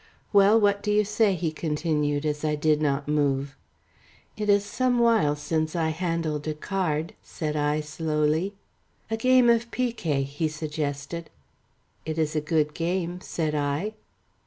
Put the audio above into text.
"Well, what do you say?" he continued, as I did not move. "It is some while since I handled a card," said I slowly. "A game of picquet," he suggested. "It is a good game," said I.